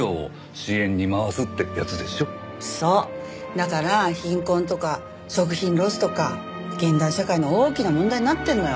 だから貧困とか食品ロスとか現代社会の大きな問題になってんのよ。